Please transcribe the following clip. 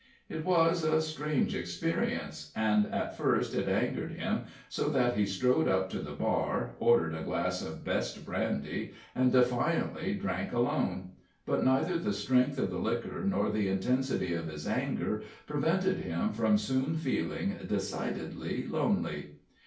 It was a strange experience, and at first it angered him so that he strode up to the bar, ordered a glass of best brandy, and defiantly drank alone; but neither the strength of the liquor nor the intensity of his anger prevented him from soon feeling decidedly lonely.